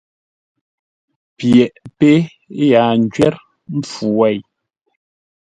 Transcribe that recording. Pyeʼ pé yaa ńjwə́r mpfu wêi.